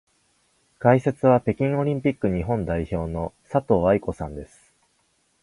解説は北京オリンピック日本代表の佐藤愛子さんです。